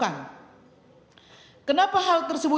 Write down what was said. jadi kejadian ini adalah sangat aneh